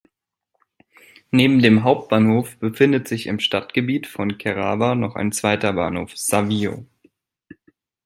Neben dem Hauptbahnhof befindet sich im Stadtgebiet von Kerava noch ein zweiter Bahnhof, Savio.